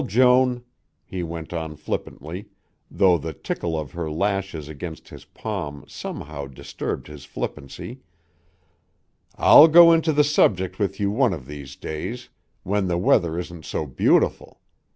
Well, Joan," he went on flippantly, though the tickle of her lashes against his palm somehow disturbed his flippancy, "I'll go into the subject with you one of these days, when the weather isn't so beautiful.